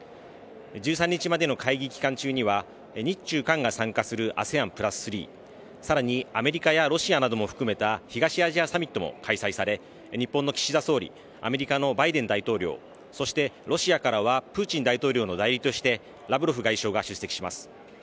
１３日までの会議期間中には日中韓が参加するＡＳＥＡＮ＋３さらにアメリカやロシアなども含めた東アジアサミットも開催され日本の岸田総理アメリカのバイデン大統領そしてロシアからはプーチン大統領の代理としてラブロフ外相が出席します